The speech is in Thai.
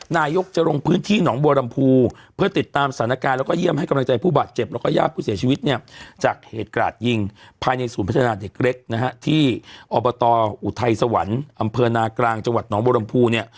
นายกจะลงพื้นที่หนองบัวลำพูเพื่อติดตามสถานการณ์แล้วก็เยี่ยมให้กำลังใจผู้บาดเจ็บแล้วก็ญาติผู้เสียชีวิตเนี่ยจากเหตุกราดยิงภายในศูนย์พัฒนาเด็กเล็กนะฮะที่อบตอุทัยสวรรค์อำเภอนากลางจังหวัดหนองบัวลำพูเนี่ย